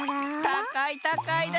たかいたかいだ！